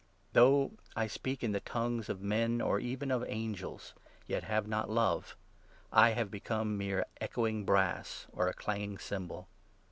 Though I speak in i ••"• the ' tongues ' of men, or even of angels, yet have not Love, I have become mere echoing brass, or a clanging cymbal